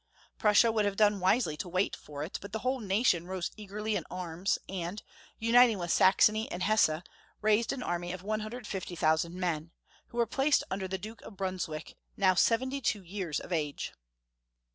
Prussia would have done wisely to wait for it, but the whole nation rose eagerly in arms, and, uniting with Saxony and Hesse, raised an army of 150,000 men, who were placed under the Duke of Brunswick, now seventy two years of age.